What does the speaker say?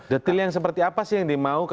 detail yang seperti apa sih yang dimau